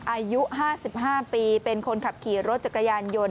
อายุ๕๕ปีเป็นคนขับขี่รถจักรยานยนต์